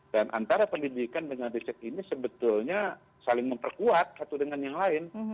dan antara pendidikan dengan riset ini sebetulnya saling memperkuat satu dengan yang lain